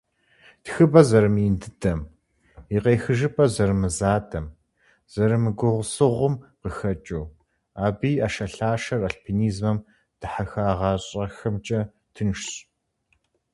Тхыбэ зэрымыин дыдэм, и къехыжыпӀэхэр зэрымызадэм, зэрымыгугъусыгъум къыхэкӀыу, абы и Ӏэшэлъашэр альпинизмэм дихьэхагъащӀэхэмкӏэ тыншщ.